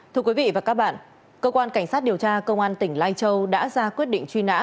thưa quý vị và các bạn cơ quan cảnh sát điều tra công an tỉnh lai châu đã ra quyết định truy nã